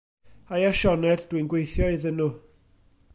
Haia Sioned, dwi'n gweithio iddyn nhw.